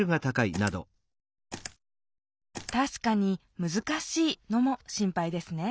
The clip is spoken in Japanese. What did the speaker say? たしかに「難しい」のも心配ですね